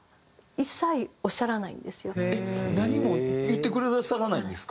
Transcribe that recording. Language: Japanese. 何も言ってくださらないんですか？